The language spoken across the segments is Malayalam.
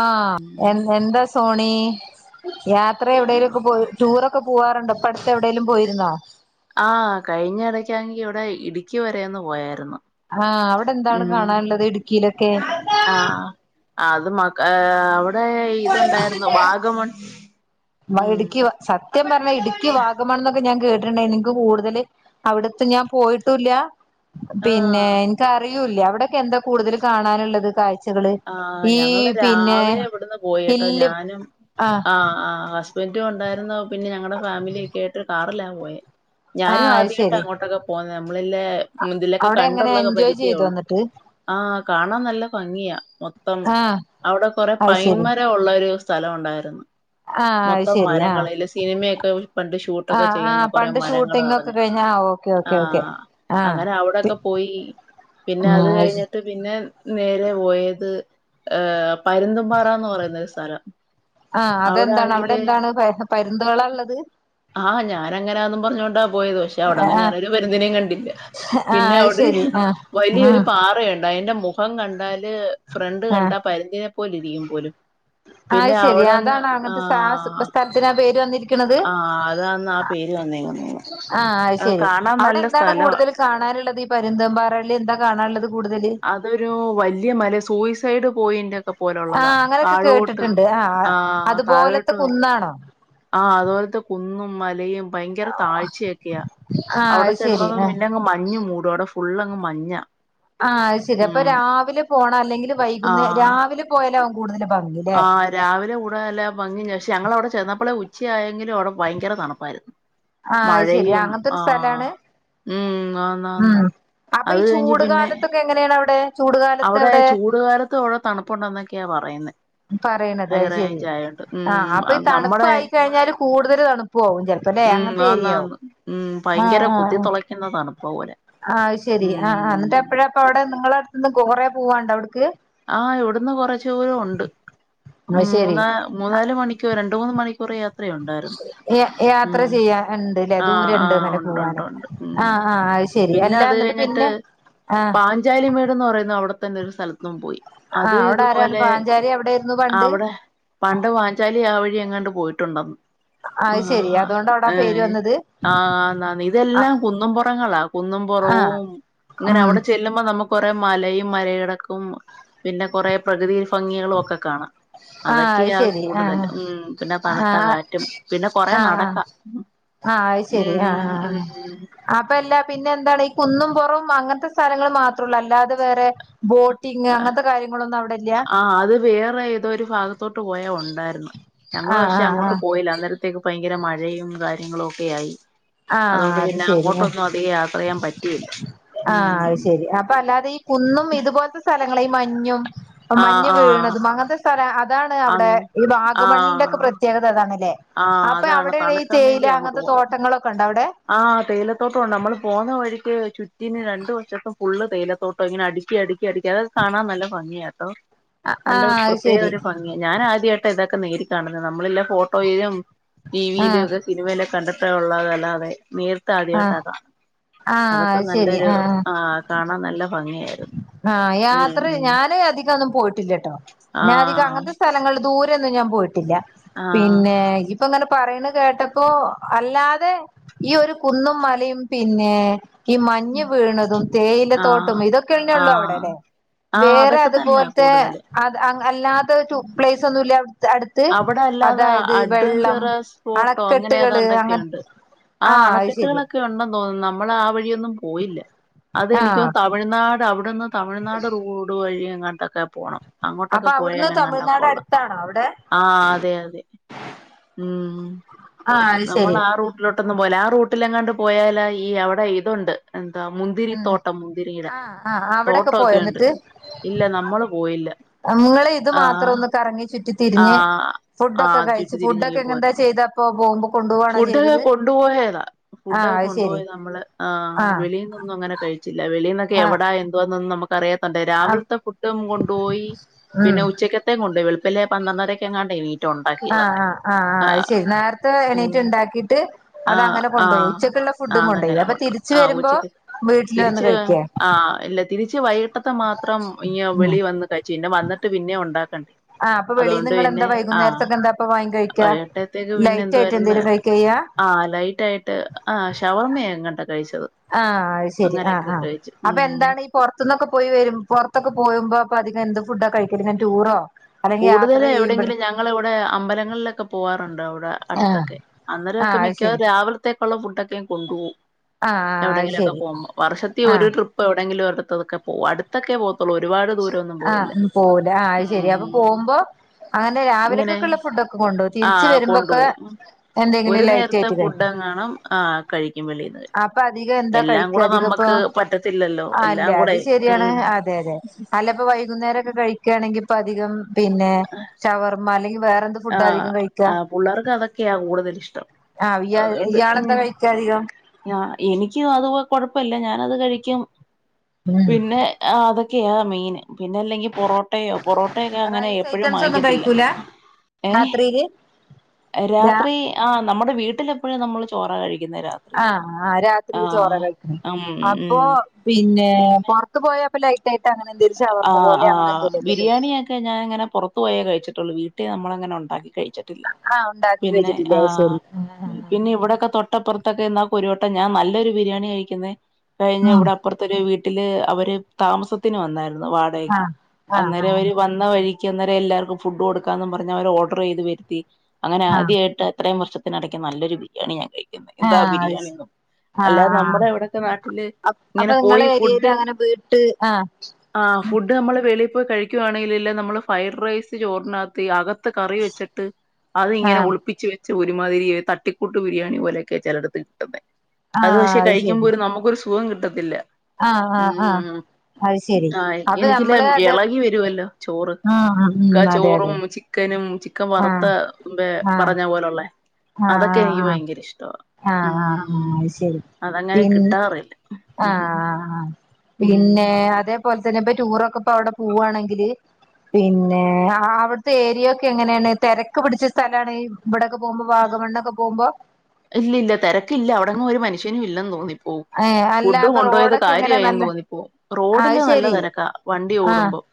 ആഹ് എ എന്താ സോണി? യാത്ര എവിടെയേലും ഒക്കെ പോയി ടൂറൊക്കെ പോവാറുണ്ടോ? ഇപ്പ അടുത്തെ എവിടെലും പോയിരുന്നോ? ആ കഴിഞ്ഞ ഇടക്കാണെങ്കി ഇവിടെ ഇടുക്കി വരെയൊന്ന് പോയായിരുന്നു. ആഅവിടെ എന്താണ് ഉം കാണാനുള്ളത് ഇടുക്കിയിലൊക്കെ? ആഹ് അത് മ അവിടെ അവിടെ ഇതുണ്ടായിരുന്നു വാഗമൺ. ഉം ഇടുക്കി സത്യം പറഞ്ഞാൽ ഇടുക്കി വാഗമൺ എന്നൊക്കെ ഞാൻ കേട്ടിട്ടുണ്ടായി എനിക്ക് കൂടുതല് അവിടത്തെ ഞാൻ പോയിട്ടും ഇല്ല പിന്നെ ആഹ് എനിക്കറിയൂല്ല. അവിടെക്കെ എന്താ കൂടുതൽ കാണാനുള്ളത് കാഴ്ച ആഹ് ഞങ്ങള് രാവിലെ ഇവിടുന്ന് പോയിട്ടോ ഹില്ല് ഞാനും ആഹ് ആ- ബന്റും ഉണ്ടായിരുന്നു പിന്നെ ഞങ്ങളുടെ ഫാമിലിഒക്കെ ആയിട്ട് കാറിലാ പോയേ. ഞാനും ആഹ് അത് ആദ്യമായിട്ടാ ശരി അങ്ങോട്ടൊക്കെ പോന്നത്. നമ്മളില്ല ഇതിലൊക്കെ അവിടെ എങ്ങനെ കണ്ടൊള്ളൊക്കെ എൻജോയ് ചെയ്തോ പരിചയോള്ളു. എന്നിട്ട് ആഹ് കാണാൻ നല്ല ഭംഗിയാ മൊത്തം ആഹ് അവിടെ കൊറെ അത് ശരി പൈന്മരം ഉള്ള ഒരു സ്ഥലോണ്ടായിരുന്നു. ആഹ് അത് മൊത്തം ശരി ആഹ് മരങ്ങള്സിനിമയൊക്കെ പണ്ട് ഷൂട്ടൊക്കെ ആഹ് ചെയ്യുന്ന ആഹ് കുറെേ പണ്ട് മരങ്ങള് ഷൂട്ടിംഗ് ഒക്കെ നറഞ്ഞ കഴിഞ്ഞ ആ ഓക്കെ ഓക്കെ ഓക്കെ ആഹ് ആഹ് അങ്ങനെ അവിടൊക്കെ പോയി പിന്നെ അത് ആഹ് കഴിഞ്ഞ പിന്നെ നേരെ പോയത് അ ഏഹ് പരുന്തുംമ്പാറ എന്ന് പറയുന്ന ഒരു സ്ഥലം ആ അതെന്താണ് അവിടെ അവിടാണെങ്കില് എന്താണ് പരുന്തുകളാള്ളത് ആഹ് ഞാനങ്ങനാന്നും പറഞ്ഞോണ്ടാ പോയത് പക്ഷെ അവിടെങ്ങും ആഹ് ഞാനൊരു പരുന്നിനേയും കണ്ടില്ല ആഹ് പിന്നെ അത് അവിടൊരു ശരി ആഹ് വലിയൊരു ആഹ് പാറയാണ് അതിന്റെ മുഖം കണ്ടാല് ഫ്രണ്ട് ആഹ് കണ്ടാ പരുന്തിന്നെ പോല ഇരിക്കും പോലും അത് പിന്നെ ശെരി അവിടങ്ങ് അതാണോ അങ്ങനത്തെ സ്ഥലത്തിന് ആ പേര് വന്നിരിക്ക്ന്നേ ആ അതാന്ന് ആ പേര് വന്നേ. ആ അത് ശരി. അവിടെ എന്താണ് സ്ഥലവാ കൂടുതൽ കാണാനുള്ളത് ഈ പരുന്തംമ്പാറേല് എന്താ കാണാനുള്ളത് കൂടുതല്? അതൊരു വലിയ മല സൂയിസൈഡ് പോയിന്റക്കെ പോലുള്ളതാ ആഹ് അങ്ങനെയൊക്കെ താഴോട്ട് കേട്ടിട്ടുണ്ട് ആ താഴോട്ടോ താണോ ആഹ് അതുപോലത്തെ കുന്നും മലയും ഭയങ്കര താഴ്ചയൊക്കെയാ ആഹ് അവിടെ അത് ചെന്നാ ശരി ആഹ് പിന്നെങ്ങ് മഞ്ഞ് മൂടും അവിടെ ഫു ഫുള്ളങ്ങ് മഞ്ഞാ ആഹ് അത് ശരി അപ്പൊ ഉം രാവിലെ പോണാ അല്ലെങ്കിൽ വൈകുന്നേ ആഹ് രാവിലെ പോയാലാവും കൂടുതല് ഭംഗില്ലേ ആഹ് രാവിലെ കൂടെ അല്ല ഭംഗി [unintelligible] ഞങ്ങള് അവിടെ ചെന്നപ്പോളെ ഉച്ചയായെങ്കിലും അവിടെ ഭയങ്കര തണപ്പായിരുന്നു ആഹ് അത് ശെരി മഴയും അങ്ങനത്തെ ഒരു ആഹ് സ്ഥലാണ് ഉം ആന്നന്ന് അത് കഴിഞ്ഞു പിന്നെ എങ്ങനേണവ്ടെ ചൂട് അവിടെ കാലത്തവ്ടെ [unintelligible] തണുപ്പുണ്ടെന്നൊക്കെയാ പറയുന്നെ പറേണത് ഹൈ അത് ശെരി റേഞ്ച് ആയോണ്ട് ഉം ആഹ് അപ്പൊ ഈ നമ്മടെ തണുപ്പായിക്കഴിഞ്ഞാല് കൂടുതല് തണുപ്പ് പോകും ചെലപ്പോല്ലേ ഉം അങ്ങത്തെ ഏരിയാവും ആന്നാന്ന് ഉം ഭയങ്കര ഹാആആഹ് കുത്തിത്തുളയ്ക്കുന്ന തണുപ്പ പോലെ ആഹ് ശെരി ആ ആ ഉം എന്നിട്ടെപ്പഴാ അപ്പ അവിടെ നിങ്ങളടുത്തുന്ന് കോറേ പോവാണ്ട അവിടുക്ക് ആഹ് ഇവിടുന്ന് കൊറച്ചൂരൊണ്ട് അത് ശരി മൂന്നാ മൂന്നാല് മണിക്കൂറ് രണ്ട് മൂന്ന് മണിക്കൂറ് യാത്ര യാ യാത്ര ചെയ്യാ എണ്ട്ല്ലേ ആഹ് ദൂരൊണ്ട് ആഹ് അങ്ങനെ ഉണ്ട് ഉണ്ട് പോവാനെ ഉണ്ട് ഉം ആഹ് ആഹ് അത് ശെരി അല്ലാ എന്നിട്ട് പിന്നെ ആഹ് ജാലിമേട് എന്ന് പറയുന്ന അവിടെത്തന്നെ ഒരു സ്ഥലത്തും പോയി അത് ആഹ് അവിടെ ആരാണ് ഇതുപോലെ പാഞ്ചാലി അവിടെയായിരുന്നു പണ്ട് അവ്ടെ പണ്ട് പാഞ്ചാലി ആ വഴി അങ്ങാണ്ട് പോയിട്ടുണ്ടന്ന് ആ അത് ശെരി അതുകൊണ്ട് അവിടെ ആ ഏ പേര് വന്നത് ആഹ് നന്ദി ആഹ് ഇതെല്ലാം കുന്നുംപൊറങ്ങളാ ആഹ് കുന്നുംപുറവും ഇങ്ങനെ ഉം അവിടെ ചെല്ലുമ് മ്പ നമുക്കൊറേ മലയും മലേടക്കും പിന്നെ കൊറേ പ്രകൃതി ഫംഗികളും ഒക്കെ കാണാം ആഹ് അത് അതൊക്കെയാ ശരി കൂടുതൽ ആഹ് മ് പിന്ന ആഹ് തണുത്ത ആഹ് കാറ്റും പിന്ന കൊറേ ആഹ് നടക്കാ മ് മ് മ് മ് അപ്പെല്ല പിന്നെന്താണ് ഈ കുന്നും പുറവും അങ്ങൻത്തെ സ്ഥലങ്ങള് മാത്രോള്ളു അല്ലാതെ വേറെ ബോട്ട് ട്ടിങ് അങ്ങനത്തെ കാര്യങ്ങളൊന്നും അവിടെല്ല്യാ ആഹ് അത് വേറെ ഏതോ ഒരു ഫാഗത്തോട്ട് പോയാ ഒണ്ടായിരുന്നു ഞങ്ങള് ആഹ് പക്ഷെ ആഹ് അങ്ങോട്ട് ആഹ് പോയില്ല അന്നേരത്തെ ത്തേക്ക് ഭയങ്കര മഴയും കാര്യങ്ങളും ഒക്കെ ആയി ആഹ് അതുകൊണ്ട് അത് പിന്ന ശരി അങ്ങോട്ടൊന്നും അധിക യാത്രെയ്യാൻ പറ്റിയില്ല ഉം അപ്പ അല്ലാതെ ഈ കുന്നും ഇതുപോലത്തെ സ്ഥലങ്ങളെ ഈ മഞ്ഞും ആഹ് മഞ്ഞ് ആഹ് വീണതും അങ്ങനത്തെ സ് സ്ഥലാ അതാണ് അവിടെ അങ് ഈ വാഗമണ്ണിന്റെ ഒക്കെ ആഹ് പ്രത്യേകത അതാണല്ലേ ആഹ് അപ്പൊ അതാണ് അവിടേണ് ഈ തണുക്കാൻ വേണ്ടി തേയില അങ്ങോട്ട് അങ്ങൻത്തെ പോന്നേ തോട്ടങ്ങളൊക്കെണ്ട് അവിടെ ആഹ് തേയിലത്തോട്ടം ഒണ്ട് നമ്മള് പോകുന്ന വഴിക്ക് ചുറ്റിന് രണ്ടു വശത്തും ഫുള്ള് തേയിലത്തോട്ട് [unintelligible] ഇങ്ങനെ അടുക്കി അടുക്കി അടുക്കി അതൊക്കെ കാണാൻ നല്ല ഭംഗിയാട്ടോ നല്ല ആഹ് അത് പ്രത്യേക ശരി ഒരു ഭംഗി ഞാൻ ആദ്യായിട്ടാ ഇതൊക്കെ നേരി കാണുന്നത് നമ്മളെല്ലാ ഫോട്ടോയിലും ആഹ് ടിവിയിലുക്കെ സിനുമേല് കണ്ടെത്ത ഉള്ളതല്ലാതെ നേർ ആഹ് ആദ്യായിട്ടാ കാണുന്നത് ആഹ് അതൊക്കെ അത് ശരി നല്ലൊരു ആഹ് ആ കാണാൻ നല്ല ഭംഗിയായിരുന്നു ആഹ് ഉം യാത്ര ഉം ഞാന് അധികൊന്നും പോയിട്ടില്ല്യട്ടോ ഞാ അധികം ആഹ് അങ്ങനത്തെ സ്ഥലങ്ങള് ദൂര [unintelligible] ന്നും ഞാൻ പോയിട്ടില്ല ആഹ് പിന്നെ ഇപ്പങ്ങനെ പറയണ കേട്ടപ്പോ അല്ലാതെ ഈ ഒരു കുന്നും മലയും പിന്നെ ഈ മഞ്ഞ് വീണതും തേയില തോട്ട് ആഹ് ട്ടും ഇതൊക്കെഴിഞ്ഞേള്ളൂ ആഹ് അവിടെല്ലേ ആഹ് വേറെ അതൊക്കെ തന്നെ അതുപോൽത്തെ കൂടുതലും അത് അങ് അല്ലാത്തെ ടു പ്ലേസ് ഒന്നുല്ല അവ് അവിടെ അല്ലാതെ വെള്ളം അഡ്വഞ്ചറസ്പോട്ടോ അങ്ങനെ അണക്കെട്ടുകള് അങ്ങനെ ഏതാണ്ടൊക്കെണ്ട് ആ ആഹ് അത് ശരി അണക്കെട്ടുകളൊക്കെ ഉണ്ടന്ന് [unintelligible] നമ്മൾ ആ വഴിയൊന്നും പോയില്ല ആഹ് അതെനിക്കും തമിഴ്നാട് അവിടെന്ന് തമിഴ്നാട് റൂട്ട് ട്ടുവഴി എങ്ങാണ്ടക്കെ പോണം അങ്ങോട്ടക്കെ പോയാല എങ്ങാണ്ടൊക്കൊള്ളത് താണോ അവിടെ ആ അതെ അതെ ഉം ആഹ് അത് നമ്മൾ ശരി ആ റൂട്ടിലോട്ടൊന്നും പോയില്ല ആ റൂട്ടിലെങ്ങാണ്ട് പോയാലാ ഈ അവിടെ ഇതുണ്ട് എന്താ മുന്തിരി ഉം തോട്ടം മുന്തിരിയിടെ ആഹ് ആഹ് അവിടൊക്കെ പോയോ തോട്ടവൊക്കെ ഉണ്ട് ഇല്ല നമ്മൾ ഞങ്ങള് ഇത് മാത്രം ഒന്ന് കറങ്ങി ചുറ്റി തിരി ആ തിരിഞ് ഫുഡ് ആ ഒക്കെ ചുറ്റി കഴിച്ചു ഫുഡ് ഒക്കെ തിരിഞ്ഞിങ്ങ് എങ്ങനന്താ പോരുന്നു. ചെയ്തപ്പോ പോകുമ്പോ കൊണ്ടുപോവാണോ ഫുഡൊക്കെ ചെയ്തത് കൊണ്ടുപോയതാ ഫുഡ്ക്കെ ആഹ് അത് ശരി കൊണ്ടുപോയതാ നമ്മള് ആഹ് വെളിയിൽന്നൊന്നും അങ്ങനെ കഴിച്ചില്ല വെളീന്നൊക്കെ ആഹ് എവിടാ എന്തുവാ എന്നൊന്നും നമുക്ക് ക്കറിയാത്തോണ്ട് ആഹ് രാവിലത്തെ ഫുഡും കൊണ്ടുപോയി ഉം പിന്നെ ഉച്ചക്ക് തേം കൊണ്ടോയി വെളുപ്പിലെ പന്ത്രണ്ടരൊക്കെ എങ്ങാണ്ടേ എണീറ്റ് ആഹ് ഉണ്ടാക്കിയതൊക്കെ ആഹ് ആഹ് അത് ആഹ് ശരി നേരത്തെ എണീറ്റ് ഉം ഉണ്ടാക്കിയിട്ട് അത് ആഹ് അങ്ങനെ കൊണ്ടുപോയി ആഹ് ഉച്ചക്കുള്ള ഫുഡും ആഹ് കൊണ്ടുപോയി അതങ്ങനെ അപ്പൊ കൊണ്ടോയി തിരിച്ച് ആഹ് വരുമ്പോ ഉച്ചക്ക് വീട്ടില് വന്ന് തിരിച്ച് കഴിക്കേ ആഹ് ഇല്ല തിരിച്ച് വൈകിട്ടത്തെ മാത്രം ഇങ്ങു ഉം വെളിയിൽ വന്ന് കഴി പിന്നെ വന്നിട്ട് പിന്നേം ഒണ്ടാക്കണ്ടേ ആഹ് അപ്പൊ വെളിയിൽ അതുകൊണ്ട് നിങ്ങളെന്താ പിന്നെ ആഹ് വൈകുന്നേരത്തൊക്കെ എന്താ അപ്പൊ വാങ്ങി കഴിക്കാ വയ്കേണ്ടെ ത്തേക്ക് പിന്നെ ലൈറ്റ് എന്തുവാ ആയിട്ട് ഡ്രന്ന് എന്തേലും കഴിക്കാ ചെയ്യാ ആഹ് ലൈറ്റ് ആയിട്ട് ആഹ് ഷവർമ്മ യെങ്ങാണ്ട കഴിച്ചത് ആഹ് അയ് ശരി ആഹ് അങ്ങനെയൊക്കെ ആഹ് കഴിച്ചു അപ്പൊ ഉം എന്താണ് പുറത്തുന്നൊക്കെ പോയി വരും പുറത്തൊക്കെ പോകുമ്പോ അപ്പ അധികം എന്ത് ഫുഡ് കഴിക്കൽ ഇങ്ങനെ ടൂറോ അല്ലെങ്കി യാത്ര കൂടുതൽ ചെയ്യുമ്പഴ് എവിടെയെങ്കിലും ഞങ്ങളിവിടെ അമ്പലങ്ങളിലൊക്കെ പോവാറുണ്ട് അവിടെ ആഹ് അടുത്തൊക്കെ അന്നേരൊക്കെ ആഹ് അത് ശരി മിക്കാവാറും രാവിലത്തേക്കുള്ള ഫുഡൊക്കെ കൊണ്ട് പോവും ആഹ് ആഹ് അത് എവിടെങ്കിലൊക്കെ ശരി പോകുമ്പോ വർഷത്തി ഒരു ആഹ് ട്രിപ്പ് ഇപ്പൊ എവിടെയെങ്കിലും ഒടുത്തതൊക്കെ പോകും അടുത്തൊക്കെ പോകത്തുള്ളൂ ഒരുപാട് ദൂരമോന്നും പോവലില്ല ഉം മുമ്പ് അങ്ങനെ ഇങ്ങനെ രാവിലെക്ക്ക്ക്ള്ള ഫുഡൊക്കെ കൊണ്ടോവും ആ തിരിച്ചു വരുമ്പോക്കെ കൊണ്ടുപോകും എന്തെങ്കിലും ഒരു ലൈറ്റ് നേരത്തെ ആയിട്ട് ഫുഡ് കഴിക്കും എങ്ങാനും ആ കഴിക്കും വെളിയിൽന്ന് അപ്പൊ അധികം എന്താ എല്ലാം കഴിക്ക കൂടെ അധികപ്പൊ നമ്മക്ക് പറ്റത്തില്ലല്ലോ അഹ് എല്ലാം അല്ലെ കൂടെ അത് ശരിയാണ് ഉം അതെ അതെ അല്ല ഇപ്പൊ വൈകുന്നേരെക്കെ കഴിക്കാണെങ്കി ഇപ്പ അധികം പിന്നെ ഷവർമ്മ അല്ലെങ്കി വേറെന്ത് ഫുഡ് ആഹ് ആഹ് പുള്ളേർക്ക് അതൊക്കെയാ കൂടുതൽ ഇഷ്ടം ആഹ് ഇയാ അതോണ്ട് ഉം ഇയാളെന്താ കഴിക്കാ അധികം ഞ എനിക്ക് അത് കൊഴപ്പല്ല ഞാനത് കഴിക്കും ഉം പിന്നെ ആഹ് അതൊക്കെയാ മെയിൻ പിന്നെ അല്ലെങ്കിൽ പൊറോട്ടയോ പൊറോട്ടയൊക്കെ അങ്ങനെ റൈസ് എപ്പഴും ഐറ്റംസ് ഒന്നും വാങ്ങിക്കത്തില്ല കഴിക്കൂല ഏഹ് രാത്രിയില് രാ രാത്രി ആഹ് നമ്മുടെ വീട്ടിലും എപ്പഴും നമ്മള് ചോറ കഴിക്കുന്നഹ് രാത്രി ആഹ് ആഹ് രാത്രിയില് ചോറാ ആഹ് കഴിക്കണേ അം ഉം അപ്പൊ പിന്നെ പൊറത്ത് പോയ പ്പ ലൈറ്റ്- ആയിട്ട് അങ്ങനെ എന്തേലും ഷവർമ്മ ആഹ് പോലെ അങ്ങനെ ആഹ് എന്തേലുമൊക്കെ കഴിക്കും ബിരിയാണിയൊക്കെ ഞാനങ്ങനെ പൊറത്ത് ത്ത് പോയെ കഴിച്ചിട്ടുള്ളൂ വീട്ടീ നമ്മളങ്ങനെ ഉണ്ടാക്കി കഴിച്ചിട്ടില്ല ആഹ് ഉണ്ടാക്കി പിന്നെ വെച്ചിട്ടില്ലേ അത് ആഹ് ശരി ആഹ് പിന്നെ ഇവ്ടൊക്കെ തൊട്ടപ്പറത്തൊക്കെ എന്നാ പ്പൊ ഒരുവട്ടം ഞാൻ നല്ലൊരു ബിരിയാണി കഴിക്കുന്നേ കഴിഞ്ഞ ഇവിടെ അപ്പൊർത്തൊരു വീട്ടില് അവര് താമസത്തിന് വന്നായിരുന്നു വാടകക്ക് ആഹ് ആഹ് അന്നേരം അവര് ആഹ് വന്ന വന്ന വഴിക്ക് അന്നേരം എല്ലാവർക്കും ഫുഡ് കൊടുക്കാന്നും പറഞ്ഞ് അവര് ഓർഡർ ചെയ്ത് വരുത്തി. അങ്ങനെ ആഹ് ആദ്യായിട്ടാ ഇത്രയും വർഷത്തിനിടയ്ക്ക് നല്ലൊരു ബിരിയാണി ഞാൻ കഴിക്കുന്നഹ് എന്താ ആഹ് അത് ബിരിയാണി ശ ന്നോ അല്ലാതെ ആഹ് ആഹ് നമ്മുടെ ഇവടൊക്കെ നാട്ടില് അപ് അപ്പൊ ഇങ്ങനെ നിങ്ങളെ പോയി ഏരിയേല് ഫുഡ് അങ്ങനെ വീട്ട് ആഹ് ആഹ് ഫുഡ് നമ്മൾള് വെളിയി പോയി കഴിക്കുവായാണെങ്കിലില്ലേ നമ്മള് ഫ്രൈഡ് റൈസ് ചോറിനകത്ത് അക ത്ത് കറി വെച്ചിട്ട് അത്ങ്ങനെ ആഹ് ഒളിപ്പിച്ച് വെ ച്ച് ഒരുമാതിരി തട്ടിക്കൂട്ട് ബിരിയാണി പോലെയൊക്കെ ചിലയിടത്ത് കിട്ടുന്നേ അത് ആഹ് പക്ഷെ കഴിക്കുമ്പോ ശരി ഒരു നമുക്കൊരു സുഖം കിട്ടത്തില്ല ആഹ് ആഹ് ആഹ് ഉം അയ് ശരി ആഹ് അപ്പൊ എനിക്കില്ലേ നമ്മള് അത് ഇളകി വരുവല്ലോ ചോറ് ആഹ് ആഹ് ക്ക ഉം അതെ ചോറും അതെ ചിക്കനും ചിക്കൻ ആഹ് വറുത്തെ മ്പേ പറഞ്ഞ ആഹ് പോലെയുള്ളേ ആഹ് അതൊക്കെ ആഹ് എനിക്ക് ഭയങ്കര ഇഷ്ടവാ ആഹ് ആഹ് ആഹ് അയ് ശരി പിന്നെ ക്കറയല്ല് ഉം ആഹ് ആഹ് ആഹ് ഉം പിന്നെ അതേപോലെ തന്നെ ഇപ്പൊ ടൂറൊക്കെ ഇപ്പ അവിടെ പൂവ്വാണെങ്കില് പിന്നെ അ അവ്ട്ത്തെ ഏരിയൊക്കെ എങ്ങനെയാണ് തെരക്ക് പിടിച്ച സ്ഥലാണ് ബടെക്കെ പോവുമ്പോ വാഗമണ്ണൊക്കെ പോവുമ്പോ ഇല്ലില്ല തെരക്കില്ല അവിടെങ്ങും ഒരു മനുഷ്യ നും ഇല്ലെന്ന് തോന്നിപ്പോവും. ഏഹ് അല്ല ഫുഡ് അപ്പൊ കൊണ്ടോയത് റോഡൊക്കെ എങ്ങനെ കാര്യായെന്ന് നല്ല തോന്നിപ്പോവും റോഡില് അത് നല്ല ശരി തെരക്കാ വണ്ടി ആഹ് ഓടുമ്പം.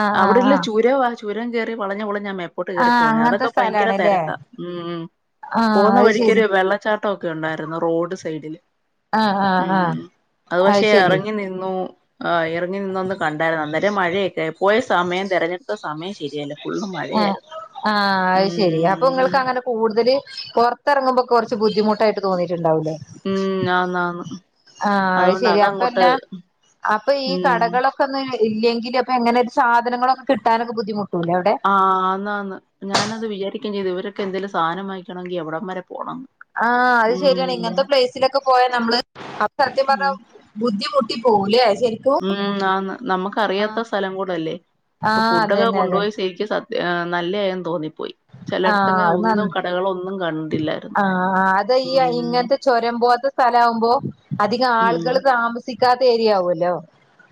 ആഹ് ആഹ് അവിടെള്ള ആഹ് ചുരവാ. ചുരം കയറി വളഞ്ഞ് വളഞ്ഞാ മെ പ്പോട്ട് കേറി ആഹ് പോവ്ന്നേ. അങ്ങനത്തെ അതൊക്കെ ഭയങ്കര സ്ഥലാണല്ലേ തെരക്കാ. മ് മ് ആഹ് പോകുന്ന അത് വഴി ശരി വെള്ളച്ചാട്ടൊ ഒക്കെ ഉണ്ടായിരുന്നു റോഡ് സൈഡില് ആഹ് ആഹ് മ് ആഹ് അത് പക്ഷേ എറങ്ങി നിന്നു ആഹ് എറങ്ങി നിന്നൊന്ന് കണ്ടായിരുന്നു. അന്നേരം മഴയൊക്കായി. പോയ സമയം തിരഞ്ഞെടുത്ത സമയം ശരിയല്ലാ ആഹ് ആഹ് അത് ശെരി. അപ്പൊ ഉം നിങ്ങക്കങ്ങനെ കൂടുതല് പൊറത്തിറങ്ങുമ്പോ കുറച്ച് ബുദ്ധിമുട്ടായിട്ട് തോന്നിയിട്ടുണ്ടാവൂലേ ഉം ആന്ന് ആന്ന് ആഹ് അത് അതുകൊണ്ട് ശരി. അതങ്ങോട്ട് അപ്പെന്നാ അപ്പൊ ഈ ഉം കടകളൊ ക്കൊന്ന് ഇല്ലെങ്കില് അപ്പോ എങ്ങനെ ഒരു സാധനങ്ങളൊക്കെ കിട്ടാനൊക്കെ ബുദ്ധിമുട്ടൂല്ലേ അവ്ടെ. ആന്നാന്ന്. ഞാനത് വിചാരിക്കും ചെയ്ത് ഇവരൊക്കെ എന്തേലും സാനം വാങ്ങിക്കണെങ്കി എവിടം വരെ പോണം ന്ന്. ആഹ് അത് ശരിയാണെ. ഇങ്ങനത്തെ പ്ലേസിലൊക്കെ പോയാ നമ്മള് അക്ക് സത്യം ഉം പർഞാ ബുദ്ധിമുട്ടി പോവൂല്ലെ ശരി മ് ആന്ന് നമുക്കറിയാത്ത സ്ഥലം കൂടല്ലേ അപ്പം ആഹ് ഫുഡൊക്കെ അതന്നെ കൊണ്ടുപോയി അതന്നെ സേ എനിക്ക് സത്യ നല്ലയായെന്ന് തോന്നി പോയി. ആഹ് ചിലെയെട്ത്തങ്ങ് അത് ഒന്നും നന്ന് കടകളൊന്നും കണ്ടിട്ട്ല്ലായിരുന്നു. ആഹ് അത് ഈ മ് ഇങ്ങനത്തെ ചുരം പോലത്തെ സ്ഥലാവുമ്പോ അധിക ആള്കൾ താമ സിക്കാത്ത ഏരിയാവൊല്ലോ.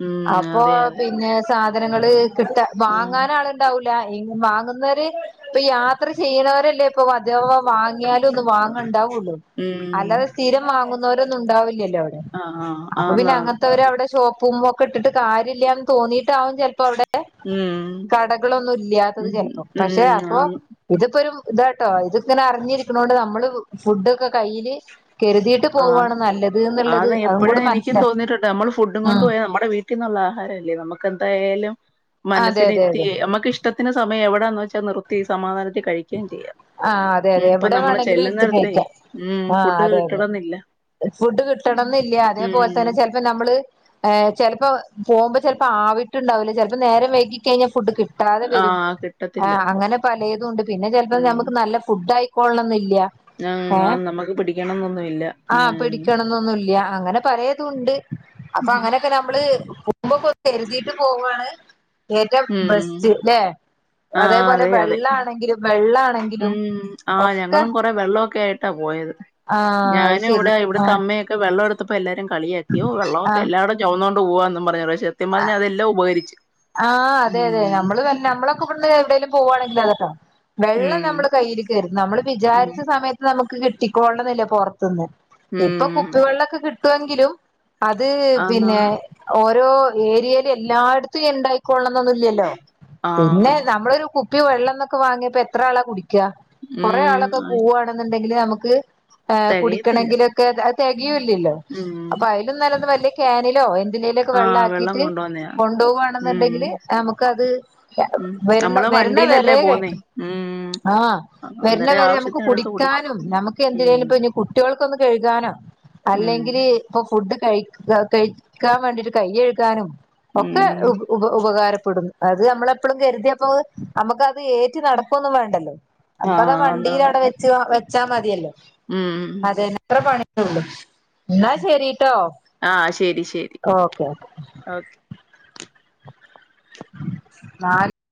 ഉം അപ്പോ അതെ അതെ പിന്നെ സാധനങ്ങള് കിട്ട ഉം വാങ്ങാൻ ആളുണ്ടാവൂല ഈ വാങ്ങുന്നവര് ഇപ്പൊ യാത്ര ചെയ്യ്ണവരല്ലേ പ്പം അതവാ വാങ്ങിയാലൊന്ന് വാങ്ങണ്ടാവൊള്ളൂ ഉം അല്ലാതെ സ്ഥിരം വാങ്ങുന്നോരൊന്നും ഉണ്ടാവി ല്ലല്ലോ അവിടെ. ആഹ് ആഹ് അപ്പൊ പിന്നെ ആന്നാന്ന് അങ്ങൻത്തവര് അവിടെ ഷോപ്പും ഒക്കെട്ടിട്ട് കാര്യല്ലാന്ന് തോന്നിയിട്ടാവും ചെല പ്പവ്ടെ ഉം കടകളൊന്നും ഇല്ല്യാത്തത് ഉം ചെലപ്പം. ഉം പക്ഷെ അപ്പൊ ആന്ന് ഇതിപ്പോ ഒരു ഇതാട്ടോ. ഇത് ഇങ്ങനെ അറിഞ്ഞിരിക്ക്ണോണ്ട് നമ്മള് ഫുഡൊക്കെ കയ്യില് കരുതീട്ട് ആന്ന് പോവ്വാണ് നല്ലത് ന്ന്ള്ളത് ആന്ന് അതും എപ്പഴും കൂടെ എനിക്കും മനസ്സിലാ ആഹ് ക്ക്ന്ന്ള്ള ആഹാരല്ലേ നമുക്ക് എന്തായാലും അതെ അതെ മനസ്സിനിരുത്തി അതെ നമ്മക്കിഷ് ടത്തിന് സമയ എവിടാന്ന് വെച്ചാൽ നിർ ത്തി സമാധാനത്തി കഴിക്കേയും ചെയ്യാം. ആഹ് അതെ ഉം അതെ ഇപ്പ എവിടെ നമ്മള് വേണമെങ്കിലും ഇരുത്തി ചെല്ലുന്നെടത്തെ കഴിക്കാം മ് ആഹ് ഫുഡ് അതെ കി അതെ. ഫുഡ് കിട്ടണംന്നില്ല അതേപോൽ ഉം തന്നെ ചെലപ്പം നമ്മള് അതെ. ചെലപ്പം പോകുമ്പോ ചെലപ്പം ആവിട്ടുണ്ടാവൂല്ല ചെലപ്പം നേരം വൈകിക്കഴിഞ്ഞാ ഫുഡ് കി ട്ടാതെ വരും. ആഹ് കിട്ടത്തില്ല ആഹ് അങ്ങനെ പലേതൂണ്ട്. പിന്നെ ചെലപ്പം ഉം ഞമ്മക്ക് നല്ല ഫുഡായിക്കോളണംന്നില്ല നം ആഹ് നമ്മക്ക് പിടിക്കണം ന്നൊന്നു ഇല്ല. മ് ന്നുന്നുല്ല്യാ. അങ്ങനെ പലേതുംണ്ട് അപ്പോഅങ്ങനെ ക്കെ നമ്മള് പോവുമ്പക്കൊന്ന് കരുതീട്ട് പോവാണ് ഏറ്റം ഉം ബെസ്റ്റ് ല്ലെ. ആഹ് അതേപോലെ അതെ അതെ വെള്ളാണെങ്കിലും വെള്ളാണെങ്കിലും ഒക്കെ വെള്ളാക്കെ ആയിട്ടാ പോയത് ആഹ് അത് ഞാനും ഇവിടെ ശരി ഇവിടത്തെ ആഹ് അമ്മയൊക്കെ വെള്ളം എടുത്തപ്പോ എല്ലാരും കളിയാക്കി ഓഹ് വെള്ളമൊക്കെ ആഹ് എല്ലാടം ചൊമന്നോണ്ട് പോവാ എന്നും പറഞ്ഞു പക്ഷ സത്യം പറഞ്ഞാ അതെല്ലാം ഉപകരിച്ചു. ആഹ് അതെ അതെ. ഉം നമ്മള് വെൽ നമ്മളൊക്കെ ഇവട്ന്ന് എവിടേലും പോവാണെങ്കിൽ അതെട്ടോ വെള്ളം നമ്മള് ഉം കയ്യിൽ കരുതും. നമ്മള് ഉം വിചാരിച്ച സമയത്ത് നമുക്ക് കിട്ടിക്കൊള്ളണംന്നില്ല പുറത്തുന്ന് ഇപ്പൊ ഉം കുപ്പിവെള്ളൊക്കെ കിട്ടുവെങ്കിലും അത് പിന്നെ ആന്നാന്ന് ഓരോ ഏരിയേല് എല്ലായിടത്തും യിണ്ടായി ക്കോളണംന്നൊന്നും ഇല്ല്യല്ലോ. പിന്നെ ആഹ് നമ്മളൊരു കുപ്പി വെള്ളം ന്നൊക്കെ വാങ്ങിയാ ഇപ്പോ എത്രാളാ കുടി ക്ക്യാ. കൊറേ ആളൊക്കെ ഉം പോവാണ്ന്നുണ്ടെങ്കില് നമുക്ക് ആഹ് തികയത്തില്ല കുടിക്കണെങ്കിലൊക്കെ അത് തെകയൂല്ല്യല്ലോ. ഉം അപ്പൊ അയിലും നല്ലത് വല്യ കാനിലോ എ ന്തിലേലൊക്കെ വെള്ളാക്കീട്ട് വന്നെയാ കൊണ്ടോവാണെന്നുണ്ടെങ്കില് നമുക്ക് അത് ഉം വര്ണ നമ്മള് വര്ണ വണ്ടിയിലല്ലേ വരേ പോന്നേ കഴിക്കും ഉം ആഹ് വര്ണ അന്നേരം വരെ നമുക്ക് ആവശ്യത്തിനെടുത്ത് കുടിക്കും കുടിക്കാനും നമുക്ക് ഉം എന്തിനേലും ഇപ്പഞ് കുട്ട്യോൾക്കൊന്ന് കഴുകാനോ ഉം അല്ലെങ്കില് അപ്പൊ ഫുഡ് കഴി കഴിക്കാൻ വേണ്ടിട്ട് കയ്യയ്കാനും ഉം ഒക്കെ ഉ ഉപ ഉപകാരപ്പെടുന്നു അത് നമ്മളെപ്പോഴും കരുതിയപ്പോഹ് നമുക്കത് ഏ റ്റി നടക്കൊന്നും വേണ്ടല്ലോ അത് നമ്മക്ക് ആഹ് എന്നാ വണ്ടിയില അവിടെ വെച്ചു വെച്ചാ മതിയല്ലോ ഉം അതെനെ ഇത്ര പണിയള്ളൂ ന്നാ ശെരിട്ടോ ഓക്കെ ഒക്കെ ഓക്കെ നാല്